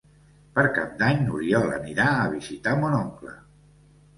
Per Cap d'Any n'Oriol anirà a visitar mon oncle.